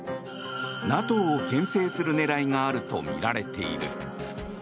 ＮＡＴＯをけん制する狙いがあるとみられている。